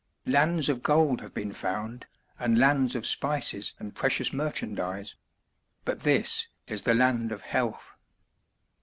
Lands of gold have been found, and lands of spices and precious merchandise; but this is the land of health.